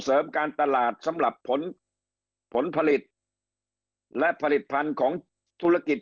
เสริมการตลาดสำหรับผลผลผลิตและผลิตภัณฑ์ของธุรกิจ